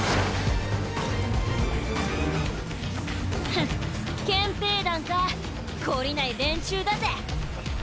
フッ憲兵団かこりない連中だぜ。